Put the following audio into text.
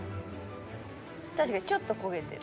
確かにちょっと焦げてる。